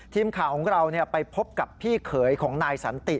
ทีมข่าวของเราไปพบกับพี่เขยของนายสันติ